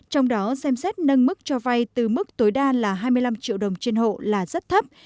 trong đó xem xét nâng mức cho vay từ mức tối đa là hai mươi năm triệu đồng trên hộ là rất thấp